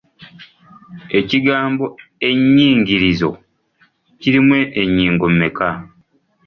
Ekigambo ennyingirizo kirimu ennyingo mmeka?